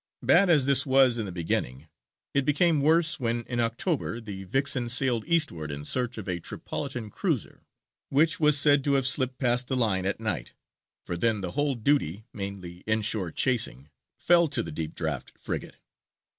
Bad as this was in the beginning, it became worse when in October the Vixen sailed eastward in search of a Tripolitan cruiser which was said to have slipped past the line at night, for then the whole duty, mainly inshore chasing, fell to the deep draught frigate.